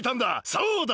そうだ！